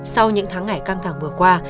sau những tháng ngày căng thẳng vừa qua